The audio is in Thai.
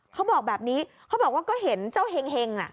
เขาบอกแบบนี้เขาบอกว่าก็เห็นเจ้าเห็ง